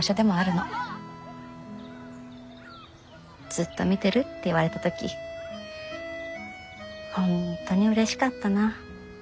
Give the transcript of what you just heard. ずっと見てるって言われた時本当にうれしかったな。